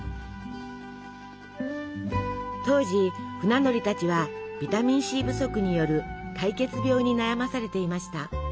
当時船乗りたちはビタミンＣ不足による壊血病に悩まされていました。